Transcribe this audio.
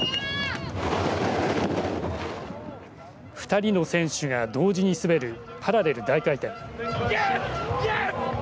２人の選手が同時に滑るパラレル大回転。